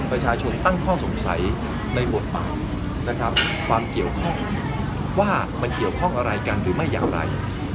ประชาชนตั้งข้อสงสัยในบทบาทนะครับความเกี่ยวข้องว่ามันเกี่ยวข้องอะไรกันหรือไม่อย่างไร